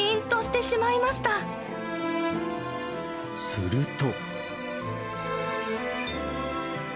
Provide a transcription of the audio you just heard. すると。